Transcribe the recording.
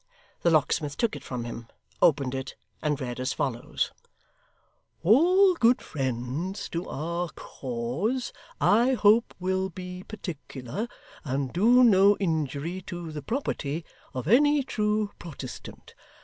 The locksmith took it from him, opened it, and read as follows: 'All good friends to our cause, I hope will be particular, and do no injury to the property of any true Protestant.